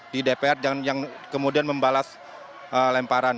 di dpr yang kemudian membalas lemparan